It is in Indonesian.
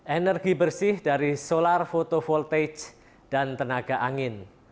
energi bersih dari solar photo voltage dan tenaga angin